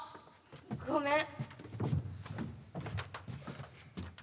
ごめん。